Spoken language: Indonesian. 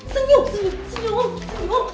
senyum senyum senyum